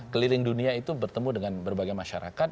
keliling dunia itu bertemu dengan berbagai masyarakat